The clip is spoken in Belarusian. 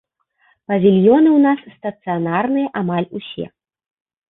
Павільёны ў нас стацыянарныя амаль усё.